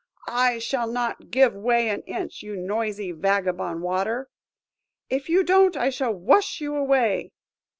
–"I shall not give way an inch, you noisy vagabond Water!" –"If you don't, I shall wash you away!"